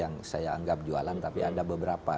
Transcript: yang saya anggap jualan tapi ada beberapa